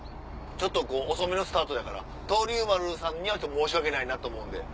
ちょっとこう遅めのスタートだから闘龍丸さんには申し訳ないなと思うんで。